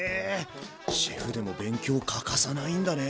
シェフでも勉強欠かさないんだね。